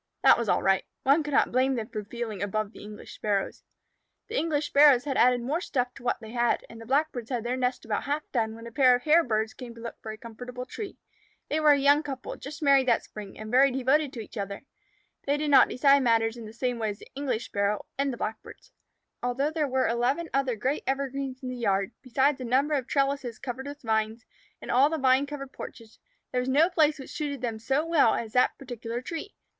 That was all right. One could not blame them for feeling above the English Sparrows. The English Sparrows had added more stuff to what they had, and the Blackbirds had their nest about half done when a pair of Hairbirds came to look for a comfortable tree. They were a young couple, just married that spring, and very devoted to each other. They did not decide matters in the same way as the English Sparrow, and the Blackbirds. Although there were eleven other great evergreens in the yard, besides a number of trellises covered with vines, and all the vine covered porches, there was no place which suited them so well as that particular tree.